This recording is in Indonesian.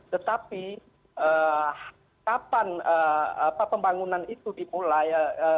tetapi kapan pembangunan itu dimulai